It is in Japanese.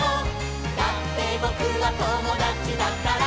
「だってぼくはともだちだから」